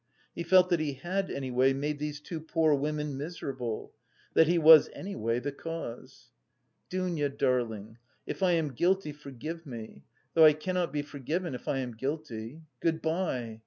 He felt that he had, anyway, made these two poor women miserable, that he was, anyway, the cause... "Dounia darling, if I am guilty forgive me (though I cannot be forgiven if I am guilty). Good bye!